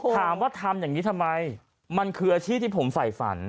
ถามว่าทำอย่างนี้ทำไมมันคืออาชีพที่ผมฝ่ายฝัน